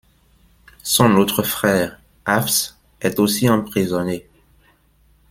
Son autre frère Hafs est aussi emprisonné.